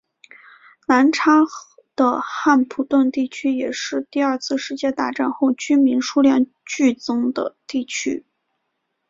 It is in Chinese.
南叉的汉普顿地区也是第二次世界大战后居民数量剧增的地区。